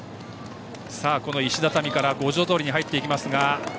石畳から五条通に入っていきます。